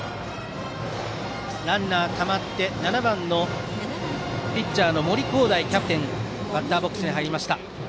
ランナーがたまって７番ピッチャーの森煌誠キャプテンがバッターボックスに入りました。